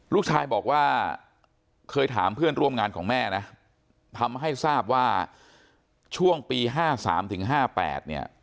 ลูกชายบอกว่าเคยถามเพื่อนร่วมงานของแม่นะทำให้ทราบว่าช่วงปี๕๓ถึง๕๘เนี่ย